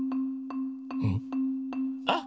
うん？あっ。